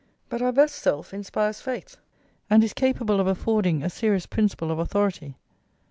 But our best self inspires faith, and is capable of affording a serious principle of authority.